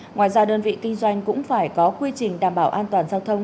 ngoài ra đơn vị kinh doanh cũng phải có quy trình đảm bảo an toàn giao thông